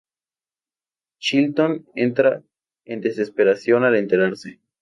Chilton entra en desesperación al enterarse.